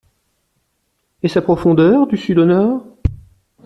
Et sa profondeur du sud au nord?